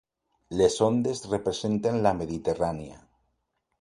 Les ondes representen la Mediterrània.